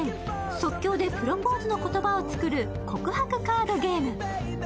即興でプロポーズの言葉を作る、告白カードゲーム。